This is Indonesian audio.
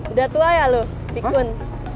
udah tua ya loh pikun